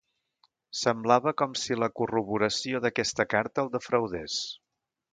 Semblava com si la corroboració d'aquesta carta el defraudés.